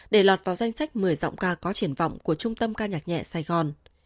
để lọt vào danh sách một mươi giọng ca có triển vọng của trung tâm ca nhạc nhẹ sài gòn